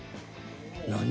何？